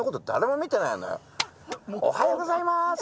おはようございます。